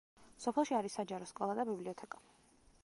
სოფელში არის საჯარო სკოლა და ბიბლიოთეკა.